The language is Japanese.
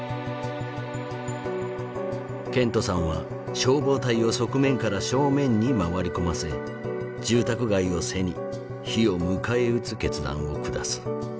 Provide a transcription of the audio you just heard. ケントさんは消防隊を側面から正面に回り込ませ住宅街を背に火を迎え撃つ決断を下す。